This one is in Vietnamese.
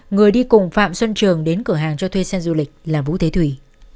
người đi cùng phạm xuân trường đến cửa hàng cho thuê xe du lịch là vũ thế thủy